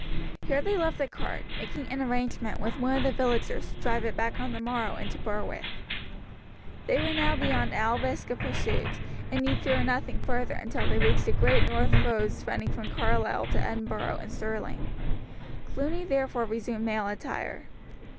Here they left the cart, making an arrangement with one of the villagers to drive it back on the morrow into Berwick. They were now beyond all risk of pursuit, and need fear nothing further until they reached the great north roads running from Carlisle to Edinburgh and Stirling. Cluny therefore resumed male attire.